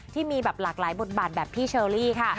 ที่มีแบบหลากหลายบทบาทแบบพี่เชอรี่ค่ะ